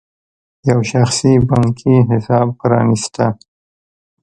یو شخصي بانکي حساب پرانېسته.